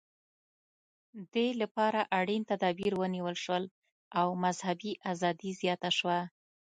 دې لپاره اړین تدابیر ونیول شول او مذهبي ازادي زیاته شوه.